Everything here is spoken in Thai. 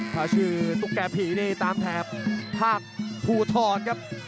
ถ้าชื่อตุ๊กแก่ผีนี่ตามแถบภาคภูทรครับ